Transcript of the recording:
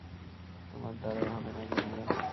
তোমার দ্বারায় হবে না, গুঞ্জন!